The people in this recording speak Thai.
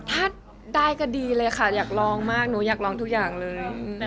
ถ้าได้ก็ดีเลยค่ะอยากลองมากหนูอยากลองทุกอย่างเลย